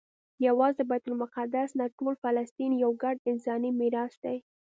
یوازې بیت المقدس نه ټول فلسطین یو ګډ انساني میراث دی.